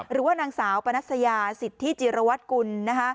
หรือว่านางสาวปนัสยาสิทธิจิรวัตรกุล